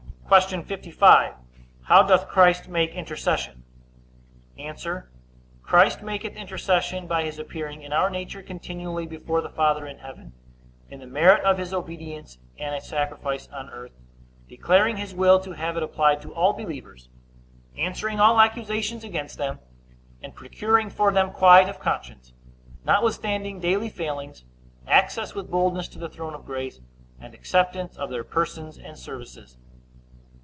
Q. 55. How doth Christ make intercession? A. Christ maketh intercession, by his appearing in our nature continually before the Father in heaven, in the merit of his obedience and sacrifice on earth, declaring his will to have it applied to all believers; answering all accusations against them, and procuring for them quiet of conscience, notwithstanding daily failings, access with boldness to the throne of grace, and acceptance of their persons and services.